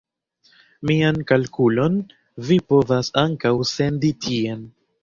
Mian kalkulon vi povas ankaŭ sendi tien.